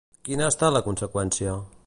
Quina ha estat la conseqüència?